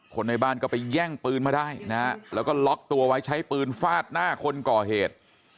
คนในบ้านก็ไปแย่งปืนมาได้นะฮะแล้วก็ล็อกตัวไว้ใช้ปืนฟาดหน้าคนก่อเหตุ